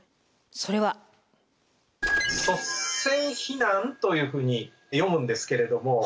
それは。というふうに読むんですけれども。